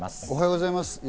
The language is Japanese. おはようございます。